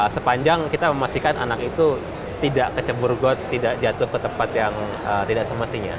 sepanjang kita memastikan anak itu tidak kecebur got tidak jatuh ke tempat yang tidak semestinya